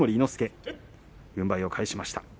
軍配を返しました。